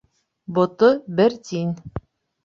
Бото бер тин.